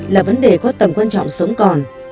là vấn đề có tầm quan trọng sống còn